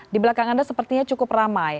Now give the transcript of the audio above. di belakang anda sepertinya cukup ramai